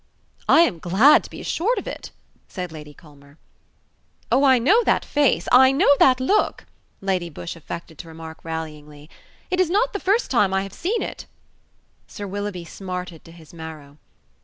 "I am glad to be assured of it," said Lady Culmer. "Oh, I know that face: I know that look," Lady Busshe affected to remark rallyingly: "it is not the first time I have seen it." Sir Willoughby smarted to his marrow.